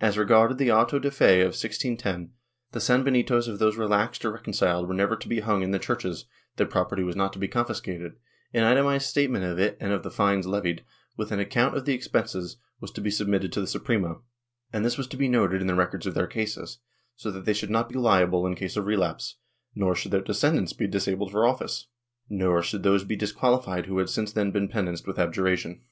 As regarded the auto de fe of 1610, the sanbenitos of those relaxed or reconciled were never to be hung in the churches, their property was not to be confiscated; an itemized statement of it and of the fines levied, with an account of the expenses, was to be submitted to the Suprema, and this was to be noted in the records of their cases, so that they should not be Hable in case of relapse, nor should their descendants be disabled for office, nor should those be disqualified who had since then been penanced with abjuration.